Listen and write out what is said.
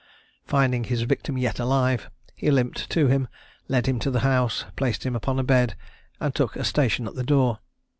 Finding his victim yet alive, he limped to him, led him to the house, placed him upon a bed, and took a station at the door.